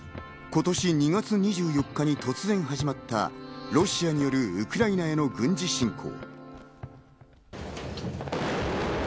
今年２月２４日に突然始まったロシアによるウクライナへの軍事侵攻。